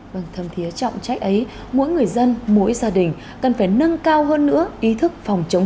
vâng thâm thiế trọng trách ấy mỗi người dân mỗi gia đình cần phải nâng cao hơn nữa ý thức phòng chống